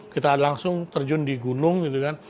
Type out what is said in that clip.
kita langsung terjun di gunung gitu kan